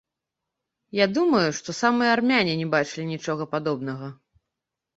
Я думаю, што самыя армяне не бачылі нічога падобнага.